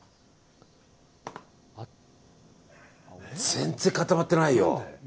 全然固まってないよ。